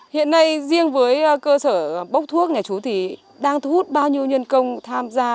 hiện nay riêng với cơ sở bốc thuốc nhà chú thì đang thu hút bao nhiêu nhân công tham gia